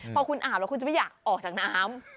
พอคุณอาบแล้วคุณจะไม่อยากออกจากน้ำ